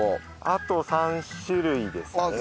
あと３種類ですかね。